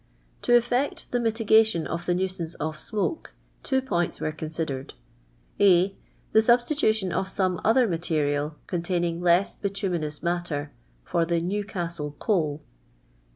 To elVect tlie mitigation of the nuisance of smoke, two pnints wen* cunsidereil :■ A. The substitution of some other material, containing h ^ s bituminous matter, fnr the " New castle eoal.'